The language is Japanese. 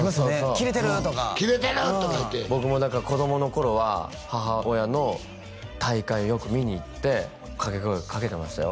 キレてるとかキレてるとか言うて僕もだから子供の頃は母親の大会をよく見に行って掛け声かけてましたよ